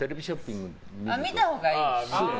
見たほうがいいです。